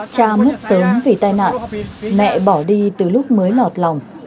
cha mất sớm vì tai nạn mẹ bỏ đi từ lúc mới lọt lòng